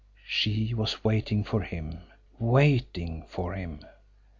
She was waiting for him WAITING for him!